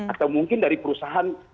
atau mungkin dari perusahaan